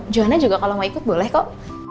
johanna juga kalau mau ikut boleh kok